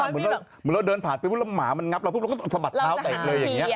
แล้วค่อยมึงเราเดินผ่านไปว่าหมามันงับเราก็ต้องสะบัดเท้าเต็กเลย